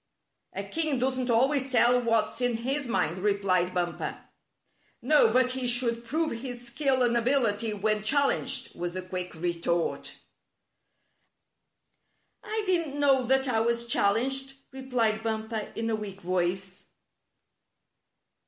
"A king doesn't always tell what's in his mind," replied Bumper. " No, but he should prove his skill and ability when challenged," was the quick retort. "I didn't know that I was challenged," re plied Bumper, in a weak voice.